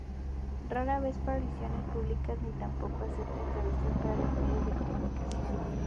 Rara vez hace apariciones públicas ni tampoco acepta entrevistas para los medios de comunicación.